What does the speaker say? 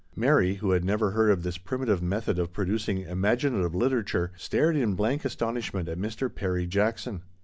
Mary, who had never heard of this primi tive method of producing imaginative litera ture, stared in blank astonishment at Mr. Perry Jackson.